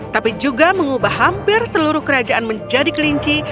tapi juga mengubah hampir seluruh kerajaan menjadi kelinci